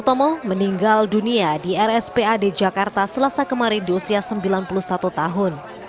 tinggal dunia di rspa di jakarta selasa kemarin di usia sembilan puluh satu tahun